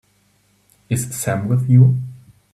Is Sam with you?